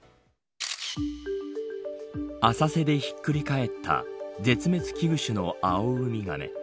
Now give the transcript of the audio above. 浅瀬でひっくり返った絶滅危惧種のアオウミガメ。